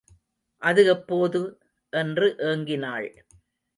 அது எப்போது? என்று ஏங்கினாள்.